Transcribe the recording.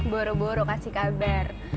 buru buru kasih kabar